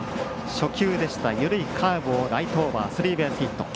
初球の緩いカーブをライトオーバーのスリーベースヒット。